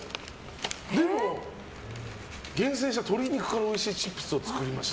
でも厳選した鶏肉からチップスを作りました。